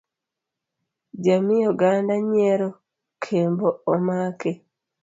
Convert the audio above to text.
Jamii oganda nyiero Kembo omaki.